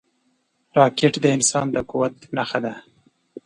راکټ د انسان د قوت نښه ده